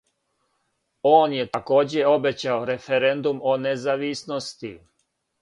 Он је такође обећао референдум о независности.